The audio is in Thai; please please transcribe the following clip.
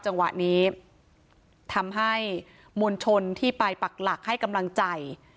จังหวะนี้ทำให้มวลชนที่ไปปักหลักให้กำลังใจ